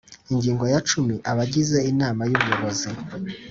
Ingingo ya cumi Abagize Inama y Ubuyobozi